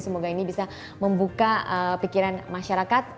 semoga ini bisa membuka pikiran masyarakat